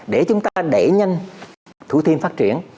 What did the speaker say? để chúng ta để nhanh thú thiêm phát triển